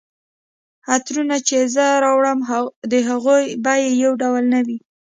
عطرونه چي زه راوړم د هغوی بیي یو ډول نه وي